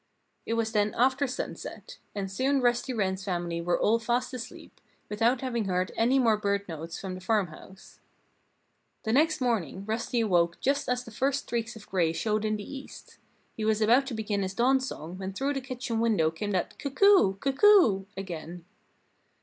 It was then after sunset. And soon Rusty Wren's family were all fast asleep, without having heard any more bird notes from the farmhouse. The next morning Rusty awoke just as the first streaks of gray showed in the east. He was about to begin his dawn song when through the kitchen window came that "Cuckoo! cuckoo!" again.